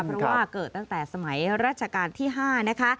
เพราะว่าเกิดตั้งแต่สมัยราชการที่๕นะคะ